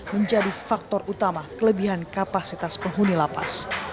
menjadi faktor utama kelebihan kapasitas penghuni lapas